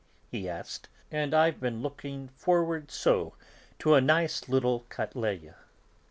he asked, "and I've been looking forward so to a nice little cattleya."